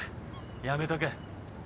やめとけ。